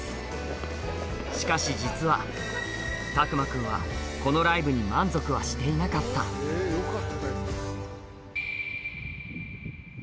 しかし実は拓万君はこのライブに満足はしていなかった何か。